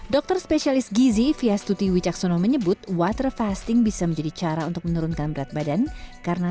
dokter spesialis gizi fias tuti wicaksono menyebut water fasting bisa menjadi cara untuk menurunkan berat badan karena